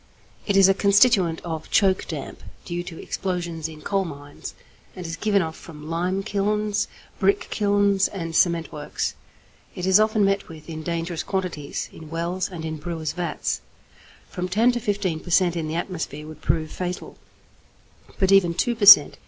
It is a constituent of choke damp due to explosions in coal mines, and is given off from lime kilns, brick kilns, and cement works. It is often met with in dangerous quantities in wells and in brewers' vats. From 10 to 15 per cent. in the atmosphere would prove fatal, but even 2 per cent.